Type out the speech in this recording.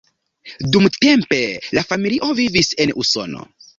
Dumtempe la familio vivis en Usono.